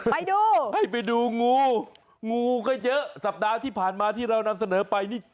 ไปดูให้ไปดูงูงูก็เยอะสัปดาห์ที่ผ่านมาที่เรานำเสนอไปนี่